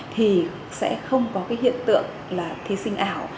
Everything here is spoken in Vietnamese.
thì sẽ không có cái hiện tượng là thí sinh ảo